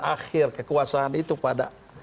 akhir kekuasaan itu pada